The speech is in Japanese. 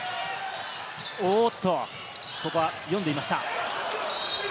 おっと、ここは読んでいました。